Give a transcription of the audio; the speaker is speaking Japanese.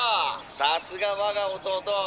さすが我が弟。